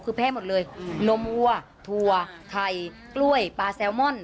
คือแพ้หมดเลยนมวัวถั่วไข่กล้วยปลาแซลมอน